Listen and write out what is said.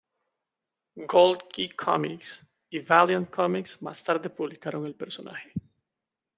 Gold Key Comics y Valiant Comics más tarde publicaron el personaje.